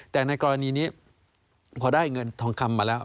แต่ในกรณีนี้พอได้เงินทองคำมาแล้ว